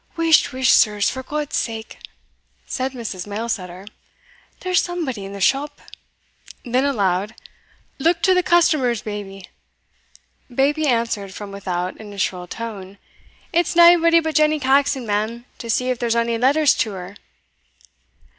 "Whist, whist, sirs, for God's sake!" said Mrs. Mailsetter, "there's somebody in the shop," then aloud "Look to the customers, Baby!" Baby answered from without in a shrill tone "It's naebody but Jenny Caxon, ma'am, to see if there's ony letters to her."